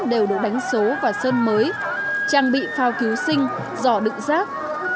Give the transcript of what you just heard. đều được đánh số và sơn mới trang bị phao cứu sinh giỏ đựng rác